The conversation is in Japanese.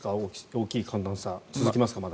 大きい寒暖差まだ続きますか？